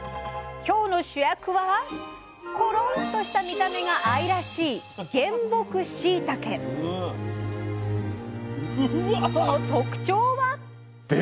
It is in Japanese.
今日の主役はころんとした見た目が愛らしいその特徴は。